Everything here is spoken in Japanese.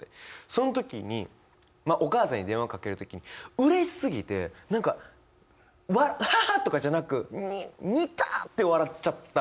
その時にお母さんに電話かける時にうれしすぎて何か「アハハ」とかじゃなく「にたぁ」って笑っちゃった。